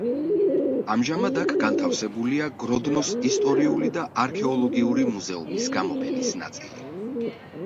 ამჟამად, აქ განთავსებულია გროდნოს ისტორიული და არქეოლოგიური მუზეუმის გამოფენის ნაწილი.